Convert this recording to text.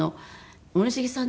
森繁さん